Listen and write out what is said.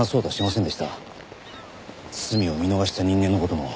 罪を見逃した人間の事も。